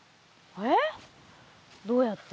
えっどうやって？